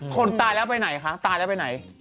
คนตายแล้วไปไหนคะตายแล้วไปไหน